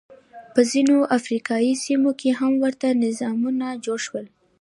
په ځینو افریقايي سیمو کې هم ورته نظامونه جوړ شول.